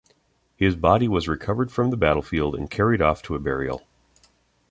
His body was recovered from the battlefield and carried off to a burial.